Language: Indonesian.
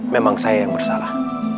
memang saya yang bersalah